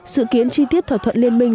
sự kiến chi tiết thỏa thuận liên minh